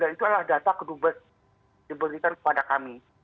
satu ratus empat puluh sembilan itu adalah data kedubes yang diberikan kepada kami